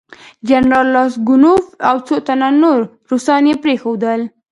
جنرال راسګونوف او څو تنه نور روسان یې پرېښودل.